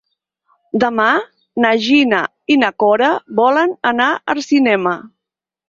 Demà na Gina i na Cora volen anar al cinema.